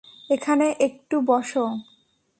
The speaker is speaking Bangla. এখানে একটু বসো!